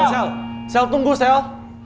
sel sel tunggu sel